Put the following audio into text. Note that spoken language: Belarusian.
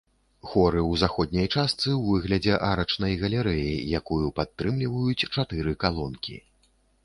Хоры ў заходняй частцы ў выглядзе арачнай галерэі, якую падтрымліваюць чатыры калонкі.